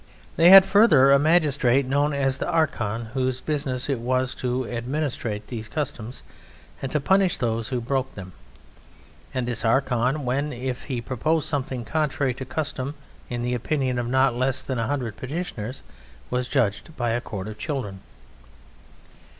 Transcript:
They had further a magistrate known as the Archon. whose business it was to administrate these customs and to punish those who broke them. And this Archon, when or if he proposed something contrary to custom in the opinion of not less than a hundred petitioners, was judged by a court of children.